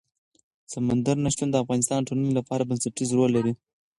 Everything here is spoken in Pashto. سمندر نه شتون د افغانستان د ټولنې لپاره بنسټيز رول لري.